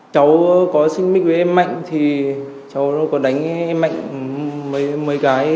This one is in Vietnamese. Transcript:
cháu có xin mít với em mạnh thì cháu có đánh em mạnh mấy cái